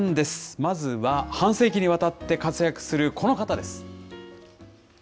まずは半世紀にわたって活躍するこの方です。